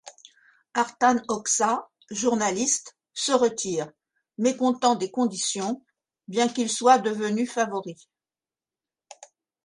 Artan Hoxha, journaliste, se retire, mécontent des conditions, bien qu'il soit devenu favori.